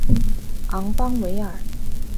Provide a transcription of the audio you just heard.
昂邦维尔。